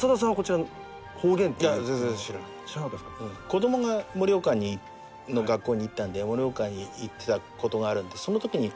子供が盛岡の学校に行ったんで盛岡に行ってたことがあるんでそのときに。